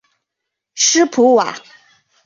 斯普瓦。